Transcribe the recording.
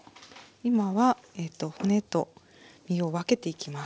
今は骨と身を分けていきます。